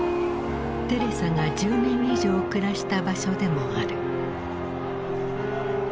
テレサが１０年以上暮らした場所でもある。